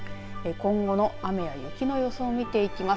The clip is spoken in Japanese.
今後の雨や雪の予想を見ていきます。